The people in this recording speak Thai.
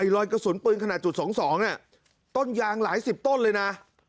รอยกระสุนปืนขนาดจุด๒๒ต้นยางหลายสิบต้นเลยนะ